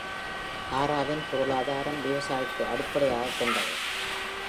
ஹராவின் பொருளாதாரம் விவசாயத்தை அடிப்படையாகக் கொண்டது.